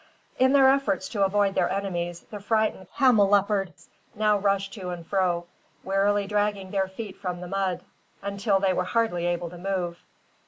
In their efforts to avoid their enemies, the frightened camelopards now rushed to and fro, wearily dragging their feet from the mud, until they were hardly able to move.